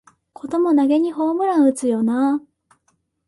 こともなげにホームラン打つよなあ